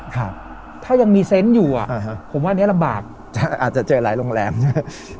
ครับถ้ายังมีเซ็นต์อยู่อ่ะผมว่านี้ลำบากอาจจะเจอหลายโรงแรมใช่ไหม